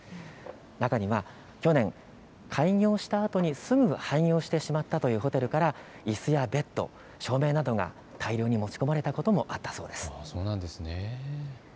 中には去年、開業したあとにすぐ廃業してしまったというホテルからいすやベッド、照明などが大量に持ち込まれたこともあったそうです。